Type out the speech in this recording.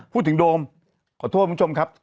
โดมขอโทษคุณผู้ชมครับ